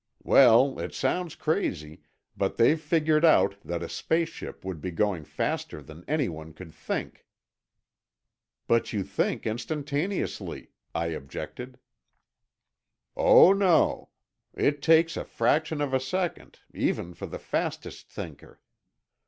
"Well, it sounds crazy, but they've figured out that a space ship would be going faster than anyone could think." "But you think instantaneously," I objected. "Oh, no. It takes a fraction of a second, even for the fastest thinker.